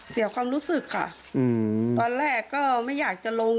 เสียความรู้สึกค่ะตอนแรกก็ไม่อยากจะลง